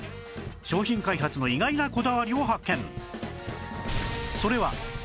商品開発の意外なこだわりを発見